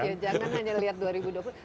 jangan hanya melihat dua ribu dua puluh